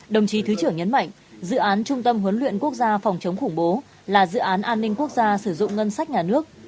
đồng chí thứ trưởng nhấn mạnh dự án trung tâm huấn luyện quốc gia phòng chống khủng bố là dự án an ninh quốc gia sử dụng ngân sách nhà nước